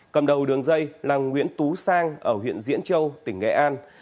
cầm đầu đường dây là nguyễn tú sang ở huyện diễn châu tỉnh nghệ an